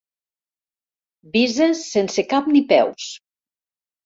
Vises sense cap ni peus.